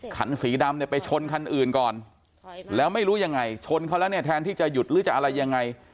คันสีดำเนี่ยไปชนคันอื่นก่อนแล้วไม่รู้ยังไงชนเขาแล้วเนี่ยแทนที่จะหยุดหรือจะอะไรยังไง